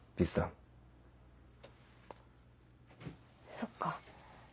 そっか。